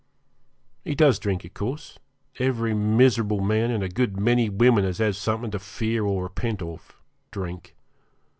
He does drink, of course; every miserable man, and a good many women as have something to fear or repent of, drink.